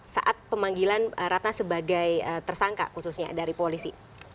saat pemanggilan ratna sebagai tersangka khususnya dari polisi